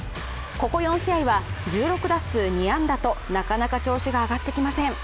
ここ４試合は１６打数２安打となかなか調子が上がってきません。